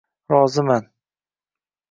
Roziman.